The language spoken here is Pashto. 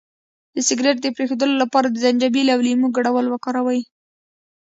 د سګرټ د پرېښودو لپاره د زنجبیل او لیمو ګډول وکاروئ